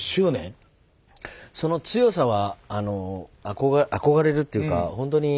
その強さは憧れるっていうかほんとに。